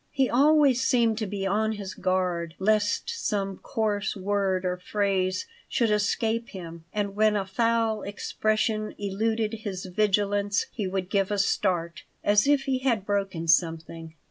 He always seemed to be on his guard lest some coarse word or phrase should escape him, and when a foul expression eluded his vigilance he would give a start, as if he had broken something.